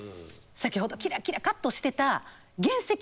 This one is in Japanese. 先ほどキラキラカットしてた原石